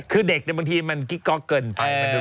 คือเด็กบางทีมันกิ๊กก๊อกเกินไป